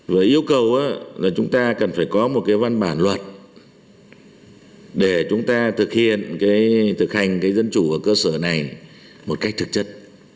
với yêu cầu là chúng ta cần phải có một cái văn bản luật để chúng ta thực hiện thực hành cái dân chủ ở cơ sở này một cách thực chất